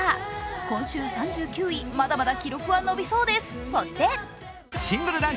今週３９位、まだまだ記録は伸びそうです。